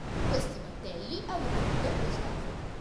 Questi battelli avevano il doppio scafo.